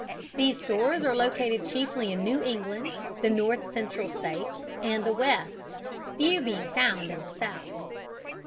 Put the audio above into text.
These stores are located chiefly in New England, the North Central States, and the West, few being found in the South.